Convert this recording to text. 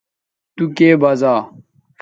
تو کے بزا